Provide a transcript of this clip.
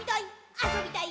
あそびたい！」